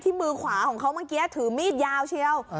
ที่มือขวาของเขามันเกลี้ยถือมีดยาวเชียว